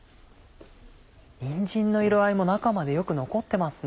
にんじんの色合いも中までよく残ってますね。